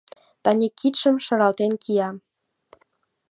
Даник кидшым шаралтен кия